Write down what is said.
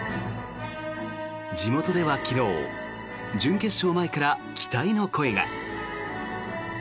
地元では昨日準決勝前から期待の声が。